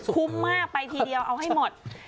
คุ้มมากไปทีเดียวเอาให้หมด